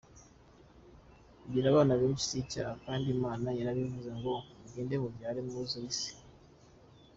Kugira abana benshi si icyaha kandi Imana yaravuze ngo mugende mubyare mwuzure isi.